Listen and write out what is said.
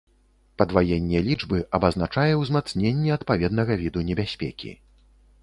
Падваенне лічбы, абазначае ўзмацненне адпаведнага віду небяспекі.